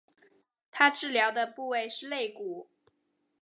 她治疗的部位是肋骨。